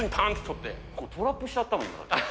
トラップしちゃったもん。